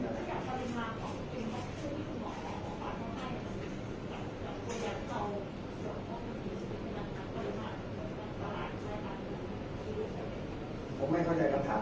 แต่ว่าไม่มีปรากฏว่าถ้าเกิดคนให้ยาที่๓๑